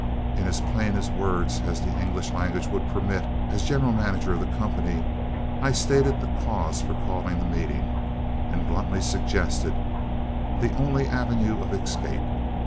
In as plain words as the English language would permit, as general manager of the company, I stated the cause for calling the meeting, and bluntly suggested the only avenue of escape.